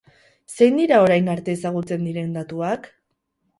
Zein dira orain arte ezagutzen diren datuak?